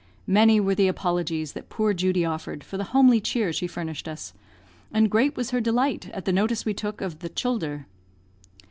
Many were the apologies that poor Judy offered for the homely cheer she furnished us, and great was her delight at the notice we took of the "childher."